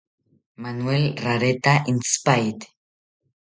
Manuel rareta intzipaete